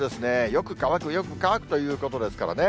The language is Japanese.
よく乾く、よく乾くということですからね。